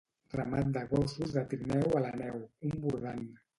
Ramat de gossos de trineu a la neu, un bordant.